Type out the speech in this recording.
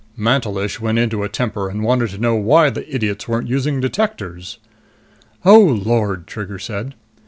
Mantelish went into a temper and wanted to know why the idiots weren't using detectors." "Oh, Lord!" Trigger said.